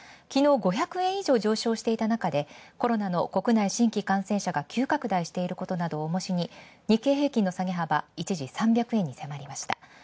昨日５００円以上上昇していたなかでコロナの国内新規感染者が急拡大していることを重しに日経平均の下げ幅、一時３００円に迫りました。